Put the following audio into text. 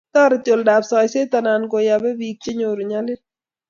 Toreti oldab soiset anan kayabe biik che nyoru nyalil